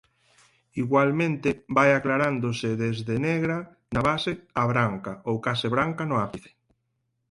Igualmente vai aclarándose desde negra na base a branca ou case branca no ápice.